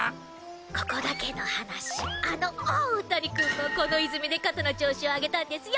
ここだけの話あのＯ谷くんもこの泉で肩の調子を上げたんですよ。